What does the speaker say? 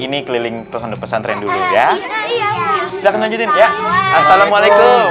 ini keliling pesan pesan trend dulu ya ya ya assalamualaikum